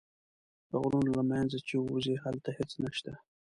د غرونو له منځه چې ووځې هلته هېڅ نه شته.